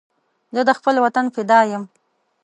زه د خپل وطن فدا یم